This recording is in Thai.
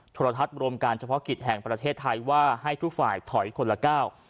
โทรทัศน์รวมการเฉพาะกิจแห่งประเทศไทยว่าให้ทุกฝ่ายถอยคนละก้าว